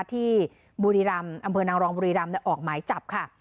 ที่บุรีรำอำเภอนางรองบุรีรำออกหมายจับค่ะ